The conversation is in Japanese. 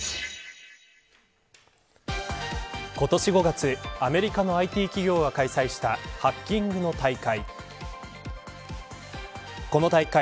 今年５月アメリカのＩＴ企業が開催したハッキングの大会。